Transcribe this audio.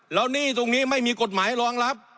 แล้วหนี้ตรงนี้ไม่มีกฎหมายรองรับ